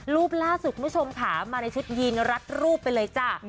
รูปล่าสุดคุณผู้ชมค่ะมาในชุดยีนรัดรูปไปเลยจ้ะ